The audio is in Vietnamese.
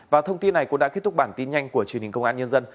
và thông tin này cũng đã kết thúc bản tin nhanh của truyền hình công an nhân dân